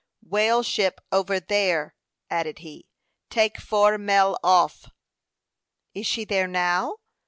"Whale ship over there," added he. "Take four mel off." "Is she there now?"